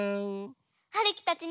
はるきたちね